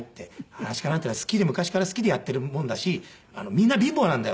「噺家なんていうのは昔から好きでやっているもんだしみんな貧乏なんだよ」